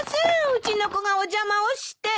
うちの子がお邪魔をして。